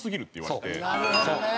なるほどね！